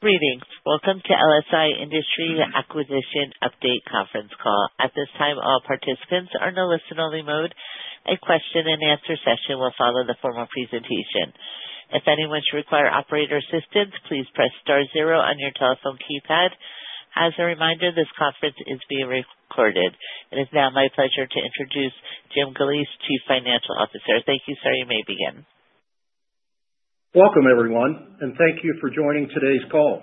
Greetings. Welcome to LSI Industries Acquisition Update conference call. At this time, all participants are in a listen-only mode. A question-and-answer session will follow the formal presentation. If anyone should require operator assistance, please press star zero on your telephone keypad. As a reminder, this conference is being recorded. It is now my pleasure to introduce Jim Galeese, Chief Financial Officer. Thank you, sir. You may begin. Welcome, everyone, and thank you for joining today's call.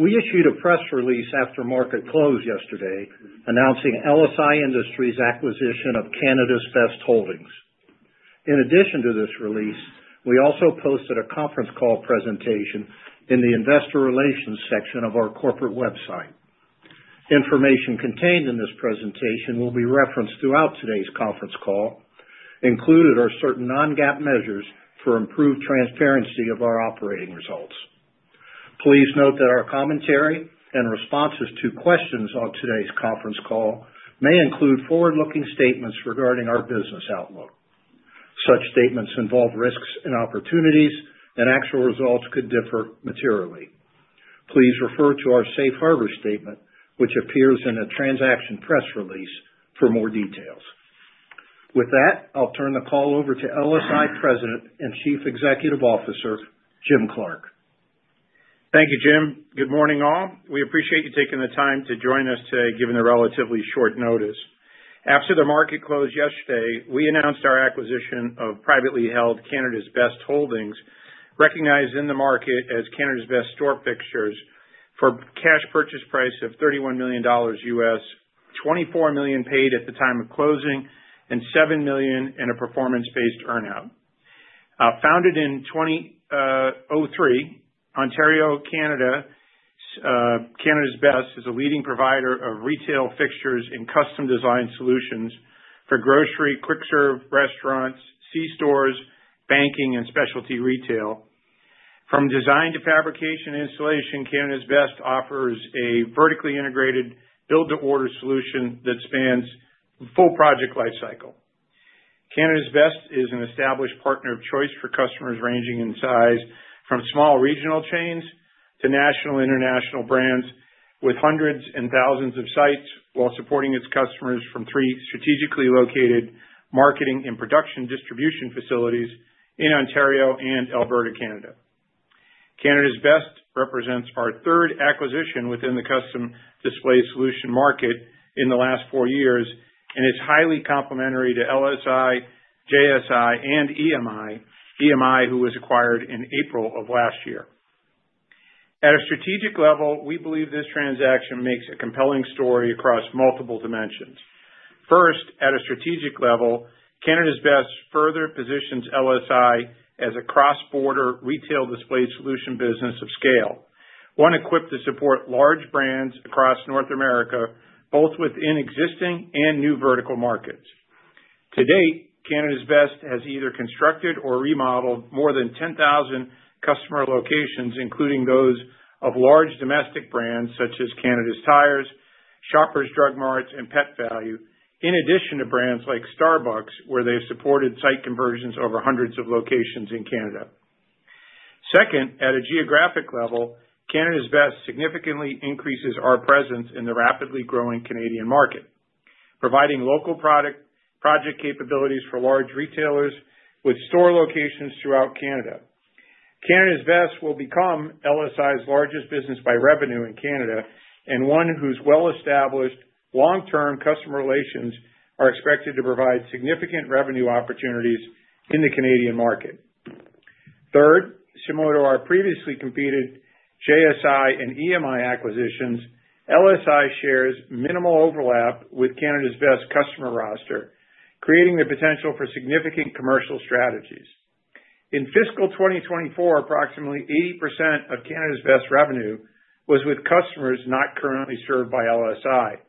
We issued a press release after market close yesterday announcing LSI Industries' acquisition of Canada's Best Holdings. In addition to this release, we also posted a conference call presentation in the Investor Relations section of our corporate website. Information contained in this presentation will be referenced throughout today's conference call, included are certain non-GAAP measures for improved transparency of our operating results. Please note that our commentary and responses to questions on today's conference call may include forward-looking statements regarding our business outlook. Such statements involve risks and opportunities, and actual results could differ materially. Please refer to our safe harbor statement, which appears in a transaction press release, for more details. With that, I'll turn the call over to LSI President and Chief Executive Officer, Jim Clark. Thank you, Jim. Good morning, all. We appreciate you taking the time to join us today given the relatively short notice. After the market close yesterday, we announced our acquisition of privately held Canada's Best Holdings, recognized in the market as Canada's Best Store Fixtures, for a cash purchase price of $31 million, $24 million paid at the time of closing, and $7 million in a performance-based earnout. Founded in 2003, Ontario, Canada, Canada's Best is a leading provider of retail fixtures and custom-design solutions for grocery, quick-serve restaurants, c-stores, banking, and specialty retail. From design to fabrication and installation, Canada's Best offers a vertically integrated build-to-order solution that spans the full project lifecycle. Canada's Best is an established partner of choice for customers ranging in size from small regional chains to national and international brands with hundreds and thousands of sites while supporting its customers from three strategically located marketing and production distribution facilities in Ontario and Alberta, Canada. Canada's Best represents our third acquisition within the custom display solution market in the last four years and is highly complementary to LSI, JSI, and EMI, EMI who was acquired in April of last year. At a strategic level, we believe this transaction makes a compelling story across multiple dimensions. First, at a strategic level, Canada's Best further positions LSI as a cross-border retail display solution business of scale, one equipped to support large brands across North America, both within existing and new vertical markets. To date, Canada's Best has either constructed or remodeled more than 10,000 customer locations, including those of large domestic brands such as Canadian Tire, Shoppers Drug Mart, and Pet Valu, in addition to brands like Starbucks, where they've supported site conversions over hundreds of locations in Canada. Second, at a geographic level, Canada's Best significantly increases our presence in the rapidly growing Canadian market, providing local project capabilities for large retailers with store locations throughout Canada. Canada's Best will become LSI's largest business by revenue in Canada and one whose well-established long-term customer relations are expected to provide significant revenue opportunities in the Canadian market. Third, similar to our previously completed JSI and EMI acquisitions, LSI shares minimal overlap with Canada's Best customer roster, creating the potential for significant commercial strategies. In fiscal 2024, approximately 80% of Canada's Best revenue was with customers not currently served by LSI.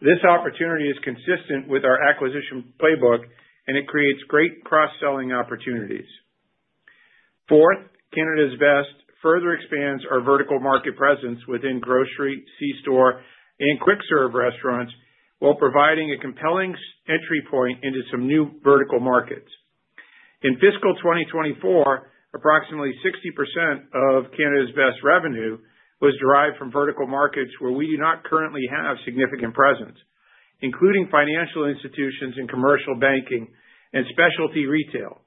This opportunity is consistent with our acquisition playbook, and it creates great cross-selling opportunities. Fourth, Canada's Best further expands our vertical market presence within grocery, sea store, and quick-serve restaurants while providing a compelling entry point into some new vertical markets. In fiscal 2024, approximately 60% of Canada's Best revenue was derived from vertical markets where we do not currently have significant presence, including financial institutions and commercial banking and specialty retail.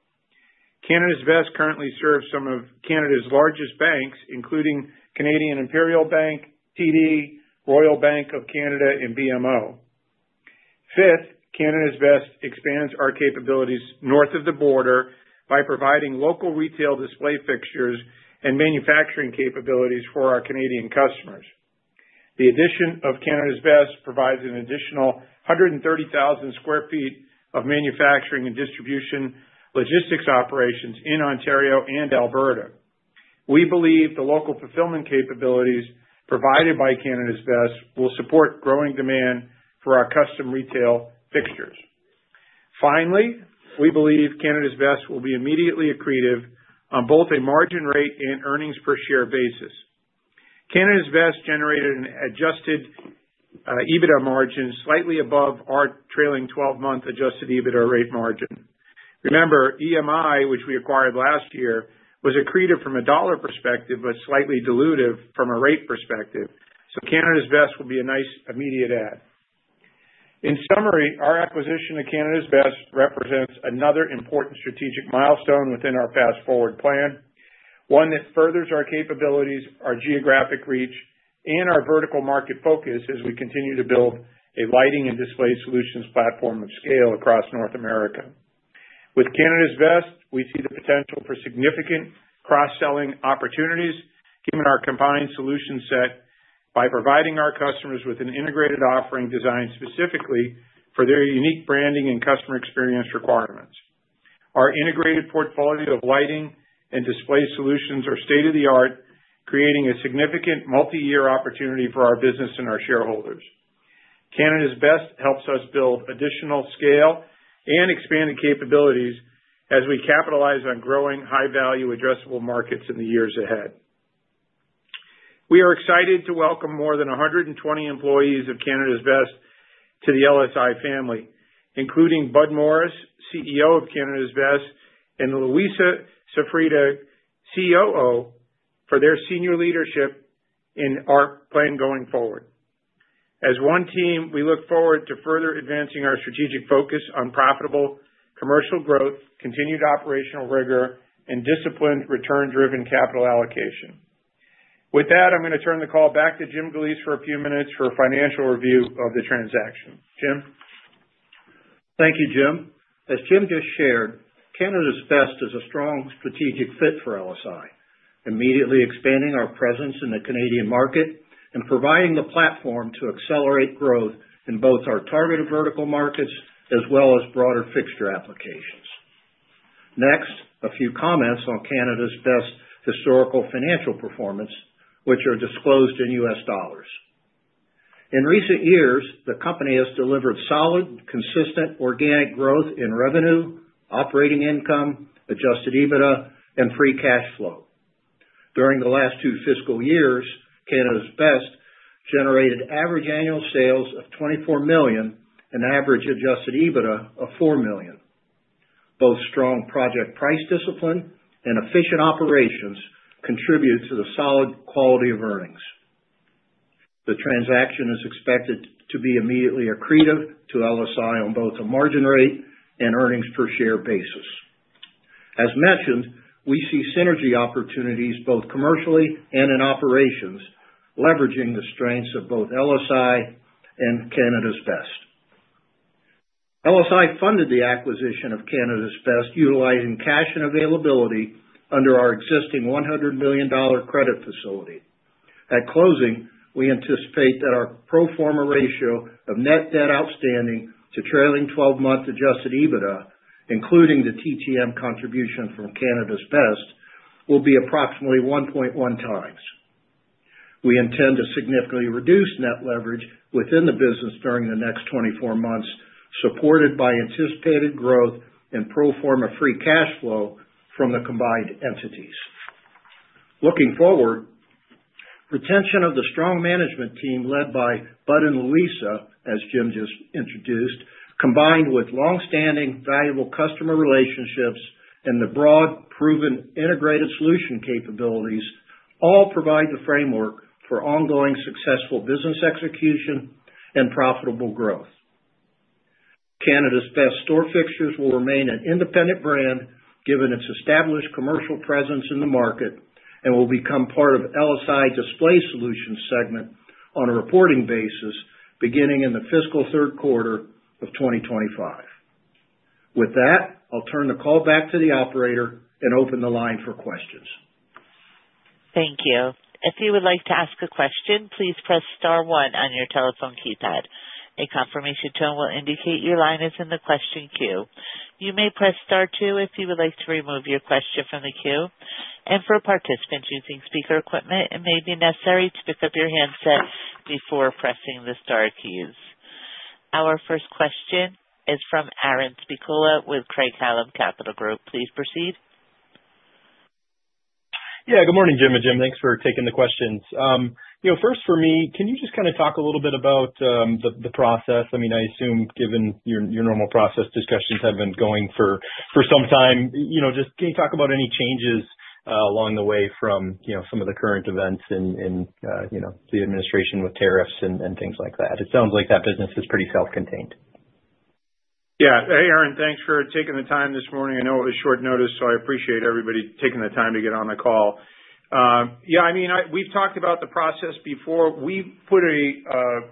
Canada's Best currently serves some of Canada's largest banks, including Canadian Imperial Bank, TD, Royal Bank of Canada, and BMO. Fifth, Canada's Best expands our capabilities north of the border by providing local retail display fixtures and manufacturing capabilities for our Canadian customers. The addition of Canada's Best provides an additional 130,000 sq ft of manufacturing and distribution logistics operations in Ontario and Alberta. We believe the local fulfillment capabilities provided by Canada's Best will support growing demand for our custom retail fixtures. Finally, we believe Canada's Best will be immediately accretive on both a margin rate and earnings per share basis. Canada's Best generated an adjusted EBITDA margin slightly above our trailing 12-month adjusted EBITDA rate margin. Remember, EMI, which we acquired last year, was accretive from a dollar perspective but slightly dilutive from a rate perspective. Canada's Best will be a nice immediate add. In summary, our acquisition of Canada's Best represents another important strategic milestone within our Fast Forward plan, one that furthers our capabilities, our geographic reach, and our vertical market focus as we continue to build a lighting and display solutions platform of scale across North America. With Canada's Best, we see the potential for significant cross-selling opportunities given our combined solution set by providing our customers with an integrated offering designed specifically for their unique branding and customer experience requirements. Our integrated portfolio of lighting and display solutions are state-of-the-art, creating a significant multi-year opportunity for our business and our shareholders. Canada's Best helps us build additional scale and expanded capabilities as we capitalize on growing high-value addressable markets in the years ahead. We are excited to welcome more than 120 employees of Canada's Best to the LSI family, including Bud Morris, CEO of Canada's Best, and Luisa Saffioti, COO, for their senior leadership in our plan going forward. As one team, we look forward to further advancing our strategic focus on profitable commercial growth, continued operational rigor, and disciplined return-driven capital allocation. With that, I'm going to turn the call back to Jim Galeese for a few minutes for a financial review of the transaction. Jim. Thank you, Jim. As Jim just shared, Canada's Best is a strong strategic fit for LSI, immediately expanding our presence in the Canadian market and providing the platform to accelerate growth in both our targeted vertical markets as well as broader fixture applications. Next, a few comments on Canada's Best's historical financial performance, which are disclosed in US dollars. In recent years, the company has delivered solid, consistent organic growth in revenue, operating income, adjusted EBITDA, and free cash flow. During the last two fiscal years, Canada's Best generated average annual sales of $24 million and average adjusted EBITDA of $4 million. Both strong project price discipline and efficient operations contribute to the solid quality of earnings. The transaction is expected to be immediately accretive to LSI on both a margin rate and earnings per share basis. As mentioned, we see synergy opportunities both commercially and in operations, leveraging the strengths of both LSI and Canada's Best. LSI funded the acquisition of Canada's Best utilizing cash and availability under our existing $100 million credit facility. At closing, we anticipate that our pro forma ratio of net debt outstanding to trailing 12-month adjusted EBITDA, including the TTM contribution from Canada's Best, will be approximately 1.1 times. We intend to significantly reduce net leverage within the business during the next 24 months, supported by anticipated growth in pro forma free cash flow from the combined entities. Looking forward, retention of the strong management team led by Bud and Luisa, as Jim just introduced, combined with long-standing valuable customer relationships and the broad proven integrated solution capabilities, all provide the framework for ongoing successful business execution and profitable growth. Canada's Best Store Fixtures will remain an independent brand given its established commercial presence in the market and will become part of LSI display solutions segment on a reporting basis beginning in the fiscal third quarter of 2025. With that, I'll turn the call back to the operator and open the line for questions. Thank you. If you would like to ask a question, please press star one on your telephone keypad. A confirmation tone will indicate your line is in the question queue. You may press star two if you would like to remove your question from the queue. For participants using speaker equipment, it may be necessary to pick up your handset before pressing the star keys. Our first question is from Aaron Spychalla with Craig-Hallum Capital Group. Please proceed. Yeah, good morning, Jim and Jim. Thanks for taking the questions. First, for me, can you just kind of talk a little bit about the process? I mean, I assume given your normal process, discussions have been going for some time. Just can you talk about any changes along the way from some of the current events in the administration with tariffs and things like that? It sounds like that business is pretty self-contained. Yeah. Hey, Aaron, thanks for taking the time this morning. I know it was short notice, so I appreciate everybody taking the time to get on the call. Yeah, I mean, we've talked about the process before. We put a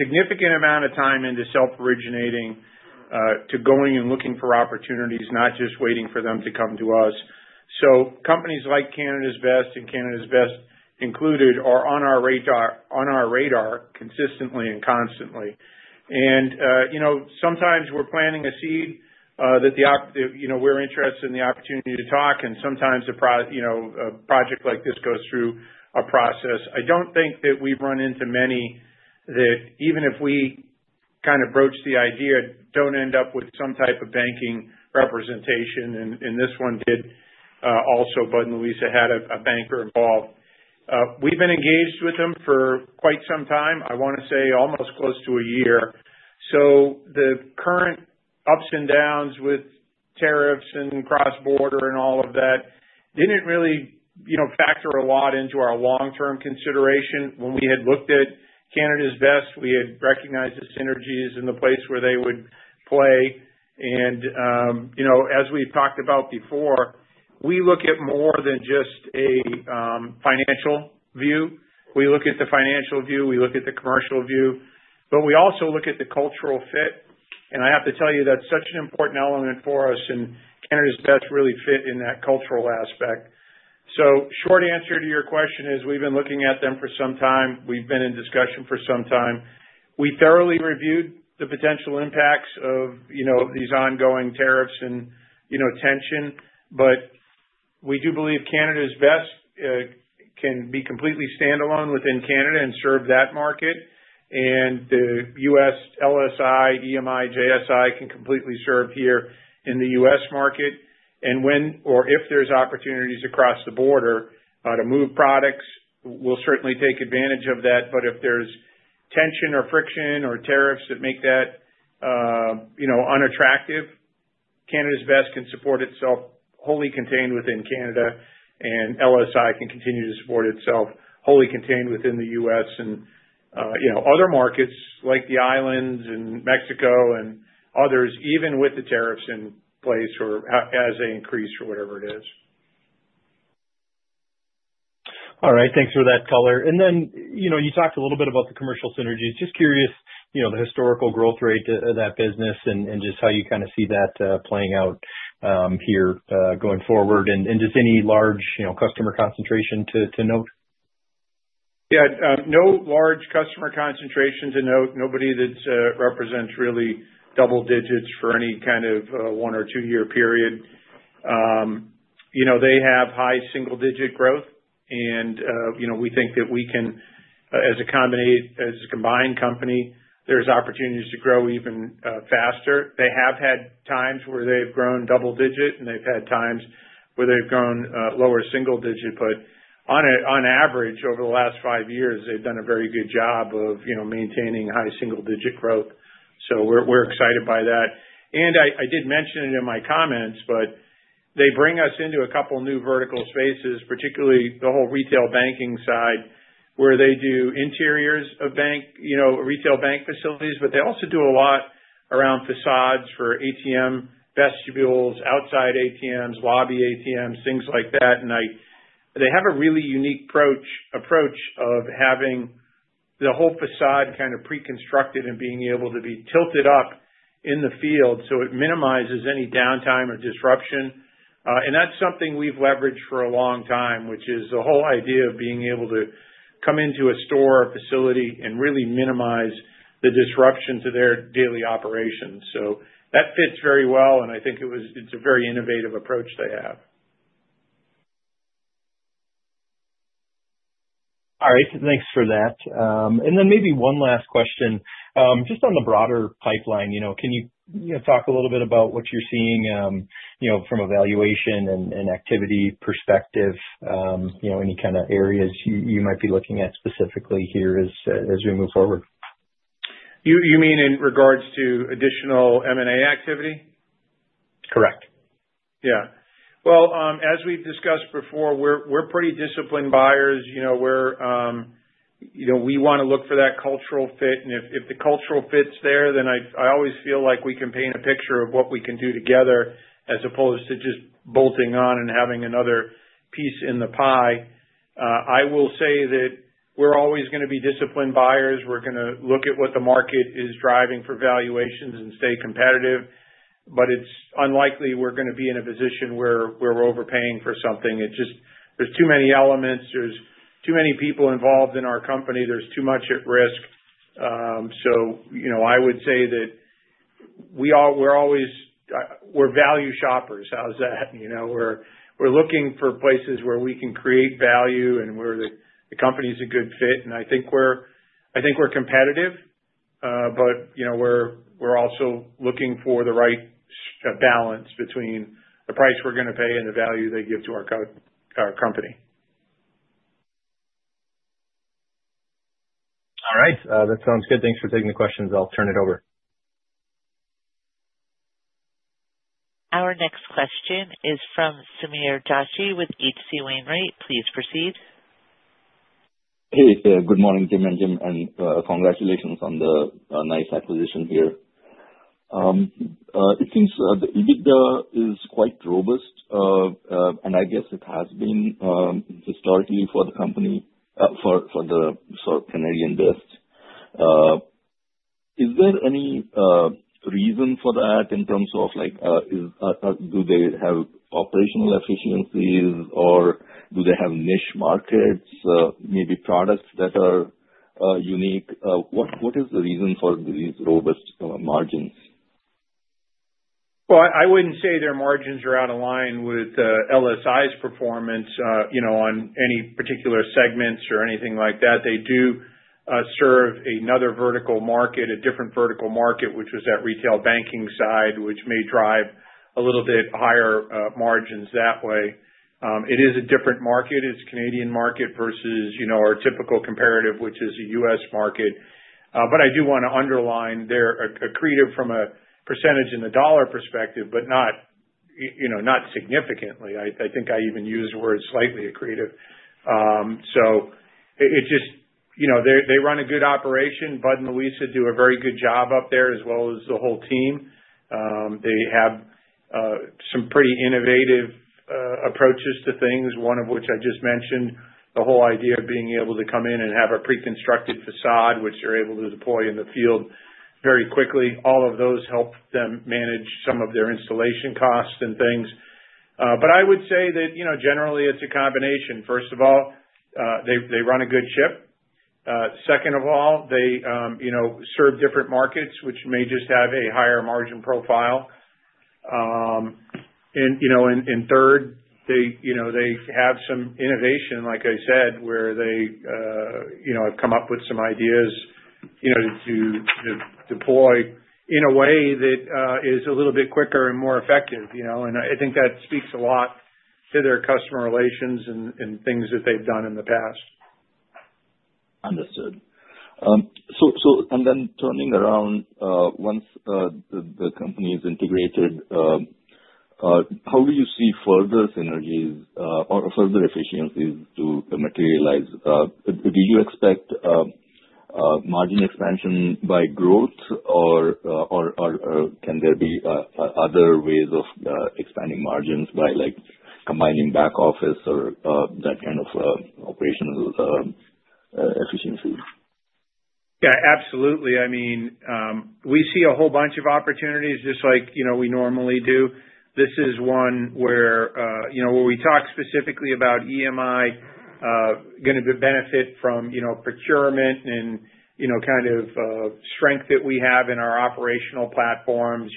significant amount of time into self-originating to going and looking for opportunities, not just waiting for them to come to us. Companies like Canada's Best and Canada's Best included are on our radar consistently and constantly. Sometimes we're planting a seed that we're interested in the opportunity to talk, and sometimes a project like this goes through a process. I don't think that we've run into many that even if we kind of broach the idea, don't end up with some type of banking representation. This one did also. Bud and Luisa had a banker involved. We've been engaged with them for quite some time. I want to say almost close to a year. The current ups and downs with tariffs and cross-border and all of that did not really factor a lot into our long-term consideration. When we had looked at Canada's Best, we had recognized the synergies and the place where they would play. As we have talked about before, we look at more than just a financial view. We look at the financial view. We look at the commercial view. We also look at the cultural fit. I have to tell you that is such an important element for us, and Canada's Best really fit in that cultural aspect. The short answer to your question is we have been looking at them for some time. We have been in discussion for some time. We thoroughly reviewed the potential impacts of these ongoing tariffs and tension, but we do believe Canada's Best can be completely standalone within Canada and serve that market. The U.S. LSI, EMI, JSI can completely serve here in the U.S. market. When or if there are opportunities across the border to move products, we'll certainly take advantage of that. If there is tension or friction or tariffs that make that unattractive, Canada's Best can support itself wholly contained within Canada, and LSI can continue to support itself wholly contained within the U.S. and other markets like the islands and Mexico and others, even with the tariffs in place or as they increase or whatever it is. All right. Thanks for that color. You talked a little bit about the commercial synergies. Just curious, the historical growth rate of that business and just how you kind of see that playing out here going forward. Just any large customer concentration to note? Yeah. No large customer concentration to note. Nobody that represents really double digits for any kind of one or two-year period. They have high single-digit growth, and we think that we can, as a combined company, there are opportunities to grow even faster. They have had times where they've grown double digit, and they've had times where they've grown lower single digit. On average, over the last five years, they've done a very good job of maintaining high single-digit growth. We are excited by that. I did mention it in my comments, but they bring us into a couple of new vertical spaces, particularly the whole retail banking side where they do interiors of retail bank facilities, but they also do a lot around facades for ATM vestibules, outside ATMs, lobby ATMs, things like that. They have a really unique approach of having the whole façade kind of pre-constructed and being able to be tilted up in the field so it minimizes any downtime or disruption. That is something we've leveraged for a long time, which is the whole idea of being able to come into a store or facility and really minimize the disruption to their daily operations. That fits very well, and I think it's a very innovative approach they have. All right. Thanks for that. Maybe one last question. Just on the broader pipeline, can you talk a little bit about what you're seeing from a valuation and activity perspective? Any kind of areas you might be looking at specifically here as we move forward? You mean in regards to additional M&A activity? Correct. Yeah. As we've discussed before, we're pretty disciplined buyers. We want to look for that cultural fit. If the cultural fit's there, then I always feel like we can paint a picture of what we can do together as opposed to just bolting on and having another piece in the pie. I will say that we're always going to be disciplined buyers. We're going to look at what the market is driving for valuations and stay competitive. It's unlikely we're going to be in a position where we're overpaying for something. There's too many elements. There's too many people involved in our company. There's too much at risk. I would say that we're value shoppers. How's that? We're looking for places where we can create value and where the company's a good fit. I think we're competitive, but we're also looking for the right balance between the price we're going to pay and the value they give to our company. All right. That sounds good. Thanks for taking the questions. I'll turn it over. Our next question is from Sameer Joshi with HC Wainwright. Please proceed. Hey, good morning, Jim and Jim. Congratulations on the nice acquisition here. It seems that EBITDA is quite robust, and I guess it has been historically for the company for the Canada's Best. Is there any reason for that in terms of do they have operational efficiencies, or do they have niche markets, maybe products that are unique? What is the reason for these robust margins? I wouldn't say their margins are out of line with LSI's performance on any particular segments or anything like that. They do serve another vertical market, a different vertical market, which was that retail banking side, which may drive a little bit higher margins that way. It is a different market. It's a Canadian market versus our typical comparative, which is a U.S. market. I do want to underline they're accretive from a percentage in the dollar perspective, but not significantly. I think I even used the word slightly accretive. It just they run a good operation. Bud and Luisa do a very good job up there as well as the whole team. They have some pretty innovative approaches to things, one of which I just mentioned, the whole idea of being able to come in and have a pre-constructed facade, which they're able to deploy in the field very quickly. All of those help them manage some of their installation costs and things. I would say that generally it's a combination. First of all, they run a good ship. Second of all, they serve different markets, which may just have a higher margin profile. Third, they have some innovation, like I said, where they have come up with some ideas to deploy in a way that is a little bit quicker and more effective. I think that speaks a lot to their customer relations and things that they've done in the past. Understood. Turning around, once the company is integrated, how do you see further synergies or further efficiencies to materialize? Do you expect margin expansion by growth, or can there be other ways of expanding margins by combining back office or that kind of operational efficiency? Yeah, absolutely. I mean, we see a whole bunch of opportunities just like we normally do. This is one where we talk specifically about EMI going to benefit from procurement and kind of strength that we have in our operational platforms,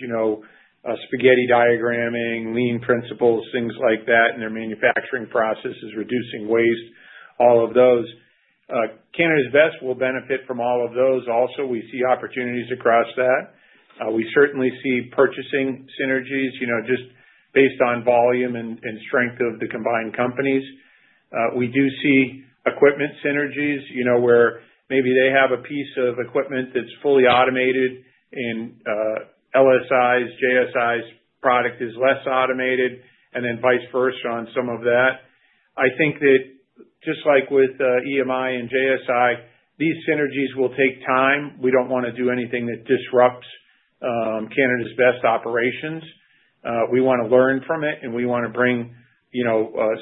spaghetti diagramming, lean principles, things like that, and their manufacturing processes, reducing waste, all of those. Canada's Best will benefit from all of those. Also, we see opportunities across that. We certainly see purchasing synergies just based on volume and strength of the combined companies. We do see equipment synergies where maybe they have a piece of equipment that's fully automated, and LSI's, JSI's product is less automated, and then vice versa on some of that. I think that just like with EMI and JSI, these synergies will take time. We do not want to do anything that disrupts Canada's Best operations. We want to learn from it, and we want to bring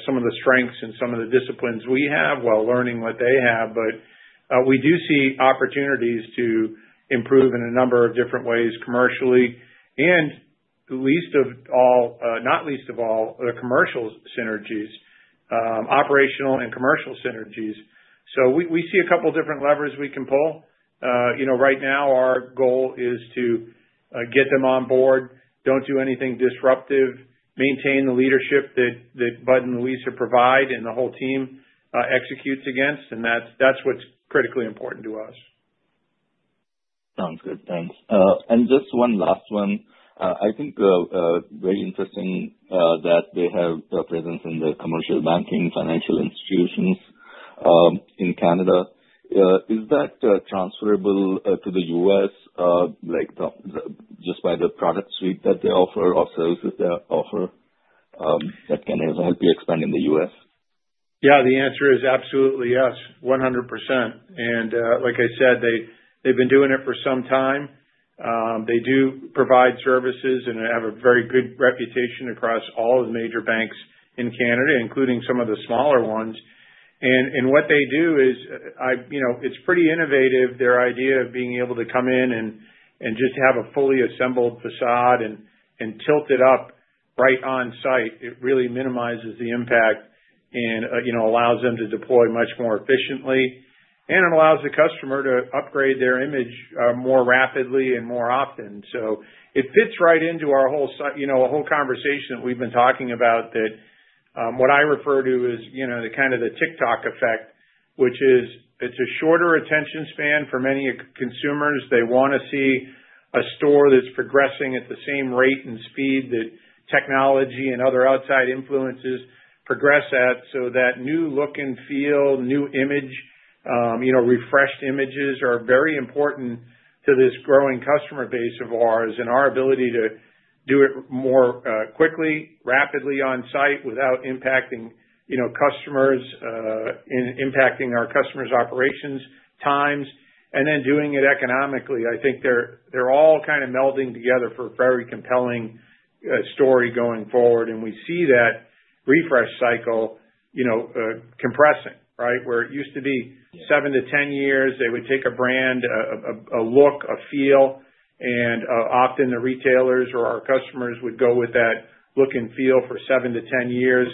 some of the strengths and some of the disciplines we have while learning what they have. We do see opportunities to improve in a number of different ways commercially. Not least of all, the commercial synergies, operational and commercial synergies. We see a couple of different levers we can pull. Right now, our goal is to get them on board, do not do anything disruptive, maintain the leadership that Bud and Luisa provide and the whole team executes against. That is what is critically important to us. Sounds good. Thanks. Just one last one. I think very interesting that they have a presence in the commercial banking financial institutions in Canada. Is that transferable to the U.S. just by the product suite that they offer or services they offer that can help you expand in the U.S.? Yeah, the answer is absolutely yes, 100%. Like I said, they've been doing it for some time. They do provide services and have a very good reputation across all of the major banks in Canada, including some of the smaller ones. What they do is it's pretty innovative, their idea of being able to come in and just have a fully assembled façade and tilt it up right on site. It really minimizes the impact and allows them to deploy much more efficiently. It allows the customer to upgrade their image more rapidly and more often. It fits right into our whole conversation that we've been talking about, what I refer to as kind of the TikTok effect, which is it's a shorter attention span for many consumers. They want to see a store that's progressing at the same rate and speed that technology and other outside influences progress at, so that new look and feel, new image, refreshed images are very important to this growing customer base of ours and our ability to do it more quickly, rapidly on site without impacting customers and impacting our customers' operations times. Doing it economically, I think they're all kind of melding together for a very compelling story going forward. We see that refresh cycle compressing, right? Where it used to be 7-10 years, they would take a brand, a look, a feel, and often the retailers or our customers would go with that look and feel for 7-10 years.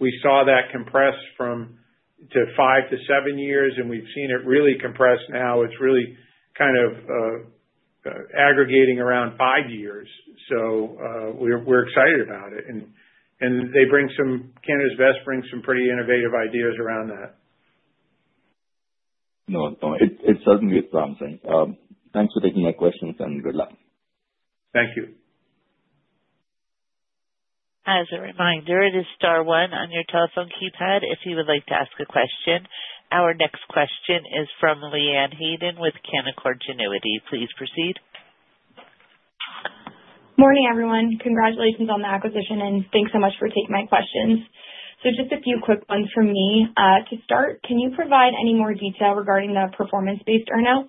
We saw that compress to 5-7 years, and we've seen it really compress now. It's really kind of aggregating around five years. We are excited about it. Canada's Best brings some pretty innovative ideas around that. No, it certainly is something. Thanks for taking my questions and good luck. Thank you. As a reminder, it is Star One on your telephone keypad if you would like to ask a question. Our next question is from Leanne Hayden with Canaccord Genuity. Please proceed. Morning, everyone. Congratulations on the acquisition, and thanks so much for taking my questions. Just a few quick ones from me. To start, can you provide any more detail regarding the performance-based earnout?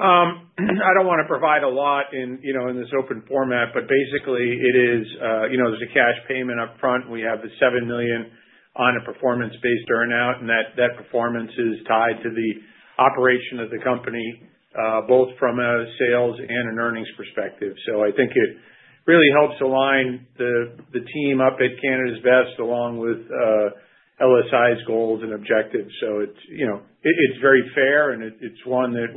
I don't want to provide a lot in this open format, but basically, it is there's a cash payment upfront. We have the $7 million on a performance-based earnout, and that performance is tied to the operation of the company, both from a sales and an earnings perspective. I think it really helps align the team up at Canada's Best along with LSI's goals and objectives. It is very fair, and it is one that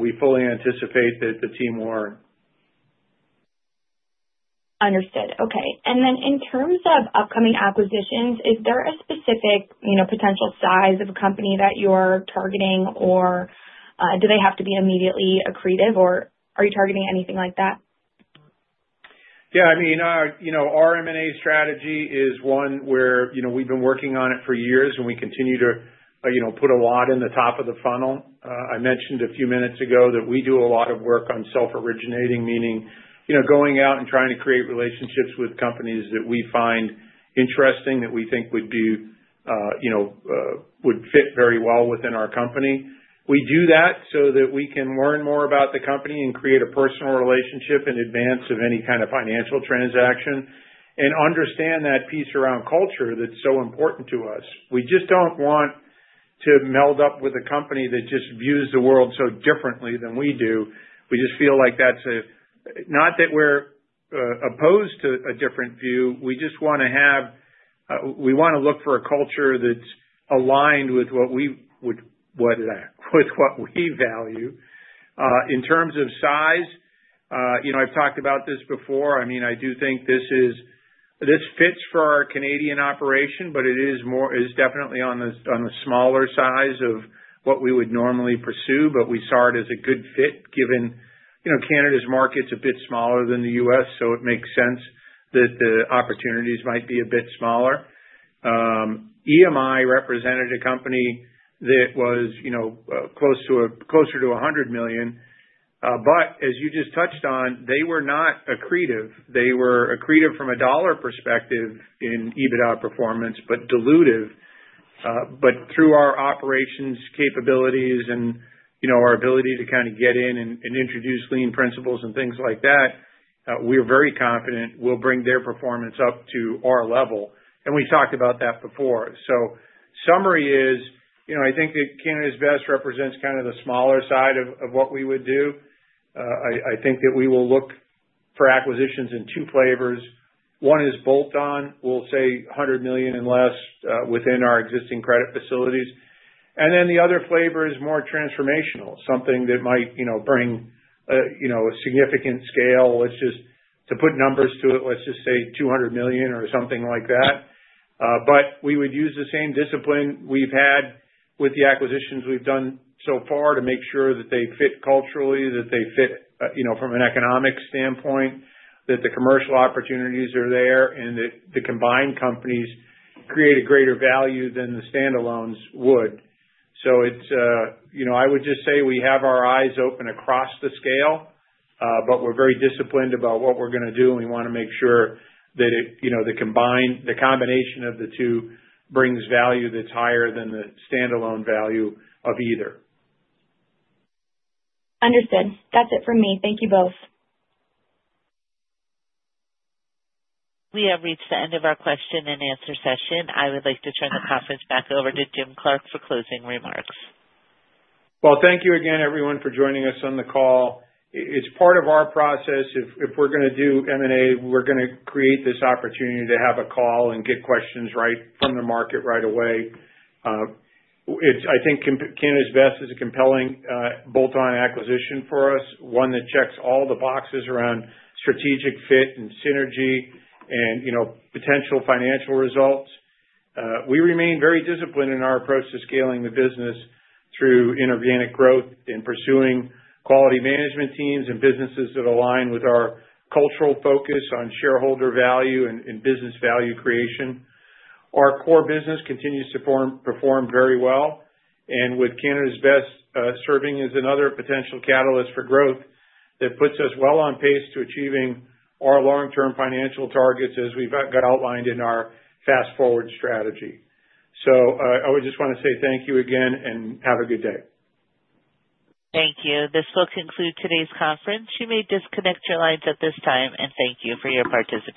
we fully anticipate that the team will earn. Understood. Okay. In terms of upcoming acquisitions, is there a specific potential size of a company that you're targeting, or do they have to be immediately accretive, or are you targeting anything like that? Yeah. I mean, our M&A strategy is one where we've been working on it for years, and we continue to put a lot in the top of the funnel. I mentioned a few minutes ago that we do a lot of work on self-originating, meaning going out and trying to create relationships with companies that we find interesting that we think would fit very well within our company. We do that so that we can learn more about the company and create a personal relationship in advance of any kind of financial transaction and understand that piece around culture that's so important to us. We just don't want to meld up with a company that just views the world so differently than we do. We just feel like that's not that we're opposed to a different view. We just want to have, we want to look for a culture that's aligned with what we value. In terms of size, I've talked about this before. I mean, I do think this fits for our Canadian operation, but it is definitely on the smaller size of what we would normally pursue. We saw it as a good fit given Canada's market's a bit smaller than the US, so it makes sense that the opportunities might be a bit smaller. EMI represented a company that was closer to $100 million. As you just touched on, they were not accretive. They were accretive from a dollar perspective in EBITDA performance, but dilutive. Through our operations, capabilities, and our ability to kind of get in and introduce lean principles and things like that, we are very confident we'll bring their performance up to our level. We talked about that before. Summary is I think that Canada's Best represents kind of the smaller side of what we would do. I think that we will look for acquisitions in two flavors. One is bolt-on. We'll say $100 million and less within our existing credit facilities. The other flavor is more transformational, something that might bring a significant scale. To put numbers to it, let's just say $200 million or something like that. We would use the same discipline we've had with the acquisitions we've done so far to make sure that they fit culturally, that they fit from an economic standpoint, that the commercial opportunities are there, and that the combined companies create a greater value than the standalones would. I would just say we have our eyes open across the scale, but we're very disciplined about what we're going to do, and we want to make sure that the combination of the two brings value that's higher than the standalone value of either. Understood. That's it for me. Thank you both. We have reached the end of our question and answer session. I would like to turn the conference back over to Jim Clark for closing remarks. Thank you again, everyone, for joining us on the call. It is part of our process. If we are going to do M&A, we are going to create this opportunity to have a call and get questions right from the market right away. I think Canada's Best is a compelling bolt-on acquisition for us, one that checks all the boxes around strategic fit and synergy and potential financial results. We remain very disciplined in our approach to scaling the business through inorganic growth and pursuing quality management teams and businesses that align with our cultural focus on shareholder value and business value creation. Our core business continues to perform very well. With Canada's Best serving as another potential catalyst for growth, that puts us well on pace to achieving our long-term financial targets as we have outlined in our fast-forward strategy. I would just want to say thank you again and have a good day. Thank you. This will conclude today's conference. You may disconnect your lines at this time, and thank you for your participation.